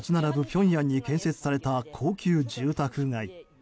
ピョンヤンに建設された高級住宅街。